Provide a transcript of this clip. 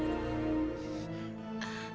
bapak sawit di jawa barat pak